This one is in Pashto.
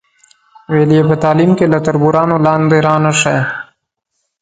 ویل یې په تعلیم کې له تربورانو لاندې را نشئ.